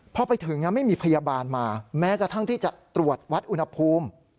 พอไปถึงไม่มีพยาบาลมาแม้กระทั่งที่จะตรวจวัดอุณหภูมิ